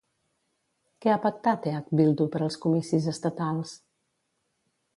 Què ha pactat EH-Bildu per als comicis estatals?